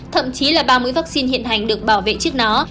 thậm chí là ba mươi vaccine hiện hành được bảo vệ trước nó